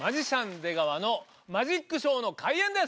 出川のマジックショーの開演です！